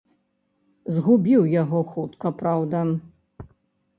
Згубіў яго хутка, праўда.